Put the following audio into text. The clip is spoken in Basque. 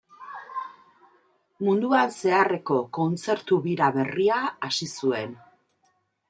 Munduan zeharreko kontzertu bira berria hasi zuen.